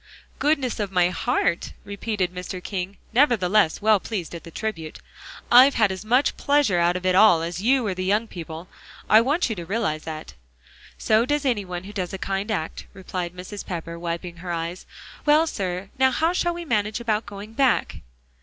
"Goodness of my heart," repeated Mr. King, nevertheless well pleased at the tribute. "I've had as much pleasure out of it all as you or the young people. I want you to realize that." "So does any one who does a kind act," replied Mrs. Pepper, wiping her eyes; "well, sir, now how shall we manage about going back?"